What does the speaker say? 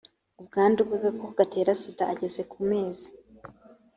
ubwandu bw agakoko gatera sida ageze ku mezi